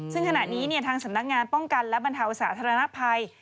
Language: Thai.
ซึ่งขณะนี้ทางสำนักงานป้องกันและบรรเทาสาธารณภัย